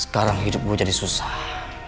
sekarang hidup gue jadi susah